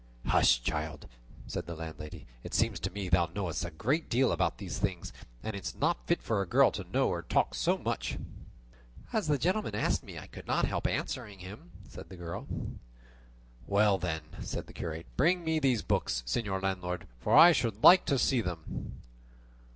"Hush, child," said the landlady; "it seems to me thou knowest a great deal about these things, and it is not fit for girls to know or talk so much." "As the gentleman asked me, I could not help answering him," said the girl. "Well then," said the curate, "bring me these books, señor landlord, for I should like to see them."